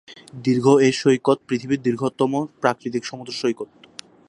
দীর্ঘ এই সৈকত পৃথিবীর দীর্ঘতম প্রাকৃতিক সমুদ্র সৈকত।